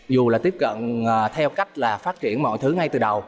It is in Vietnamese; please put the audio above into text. dù là tiếp cận theo cách là phát triển mọi thứ ngay từ đầu